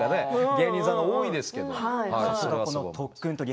芸人さんが多いですけど。